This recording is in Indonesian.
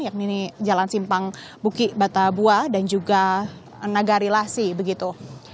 yakni ini jalan simpang buki batabua dan juga nagari lasi begitu